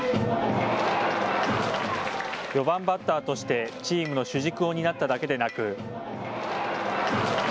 ４番バッターとしてチームの主軸を担っただけでなく。